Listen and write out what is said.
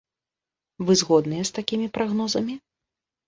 Вы згодныя з такімі прагнозамі?